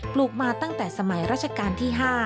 ลูกมาตั้งแต่สมัยราชการที่๕